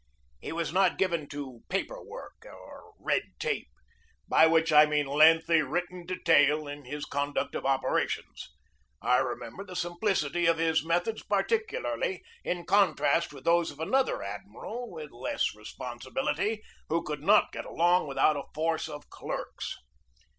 He was not given to "paper work" or red tape, by which I mean lengthy written detail in his con duct of operations. I remember the simplicity of his methods particularly in contrast with those of another admiral with less responsibility, who could not get along without a force of clerks.